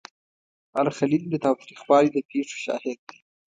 الخلیل د تاوتریخوالي د پیښو شاهد دی.